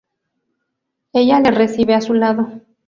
Ella le recibe a su lado.